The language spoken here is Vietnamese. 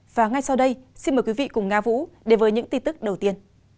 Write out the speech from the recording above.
và ngay sau đây xin mời quý vị cùng nga vũ đến với những tin tức đầu tiên